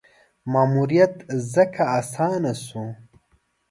ماموریت ځکه اسانه شو.